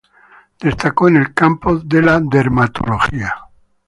Destacó en el campo de la dermatología.